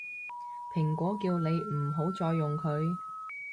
蘋果叫你唔好再用佢